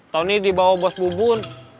tony dibawa bos bubun